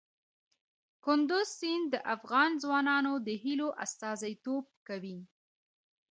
کندز سیند د افغان ځوانانو د هیلو استازیتوب کوي.